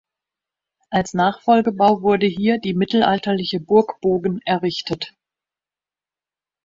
Als Nachfolgebau wurde hier die mittelalterliche Burg Bogen errichtet.